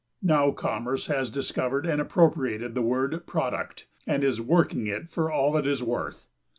Now commerce has discovered and appropriated the word "product" and is working it for all it is worth.